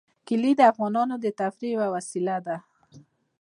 کلي د افغانانو د تفریح یوه وسیله ده.